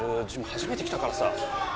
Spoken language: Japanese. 初めて来たからさ